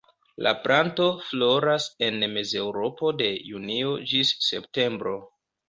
La planto floras en Mezeŭropo de junio ĝis septembro.